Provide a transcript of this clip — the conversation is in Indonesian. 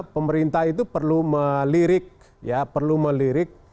pemerintah itu perlu melirik